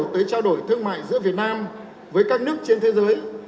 tới trao đổi thương mại giữa việt nam với các nước trên thế giới